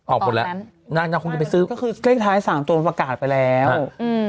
ออกหมดแล้วนางนางคงจะไปซื้อก็คือเลขท้ายสามตัวมันประกาศไปแล้วเอออืม